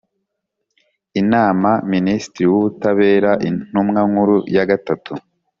inama Minisitiri w Ubutabera Intumwa Nkuru ya gatatu